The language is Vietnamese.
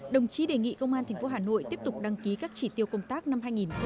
đồng chí đề nghị công an thành phố hà nội tiếp tục đăng ký các chỉ tiêu công tác năm hai nghìn hai mươi một